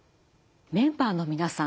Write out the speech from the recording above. メンバーの皆さん